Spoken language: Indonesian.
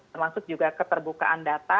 termasuk juga keterbukaan data